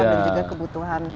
dan juga kebutuhan